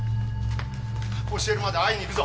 教えるまで会いに行くぞ。